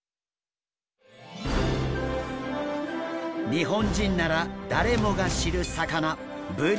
日本人なら誰もが知る魚ブリ。